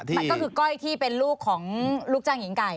มันก็คือก้อยที่เป็นลูกของลูกจ้างหญิงไก่